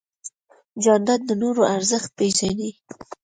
جانداد د نورو ارزښت پېژني.